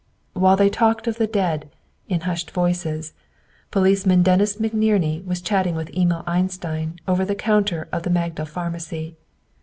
While they talked of the dead, in hushed voices, Policeman Dennis McNerney was chatting with Emil Einstein over the counter of the Magdal Pharmacy.